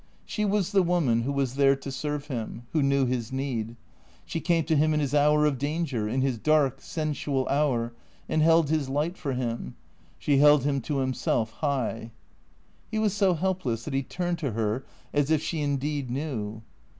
She was the woman who was there to serve him, who knew hia need. She came to him in his hour of danger, in his dark, sen sual hour, and held his light for him. She held him to him self high. He was so helpless that he turned to her as if she indeed knew.